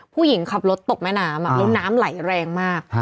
ผู้หญิงขับรถตกแม่น้ำแล้วน้ำไหลแรงมาก